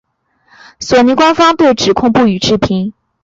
索尼官方对指控不予置评。